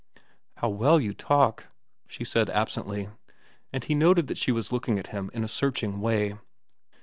"How well you talk," she said absently, and he noted that she was looking at him in a searching way.